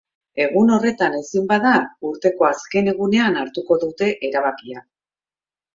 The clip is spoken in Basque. Egun horretan ezin bada, urteko azken egunean hartuko dute erabakia.